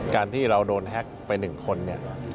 การที่เราโดนแฮคไปหนึ่งคน